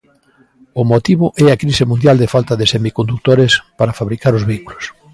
O motivo é a crise mundial de falta de semicondutores para fabricar os vehículos.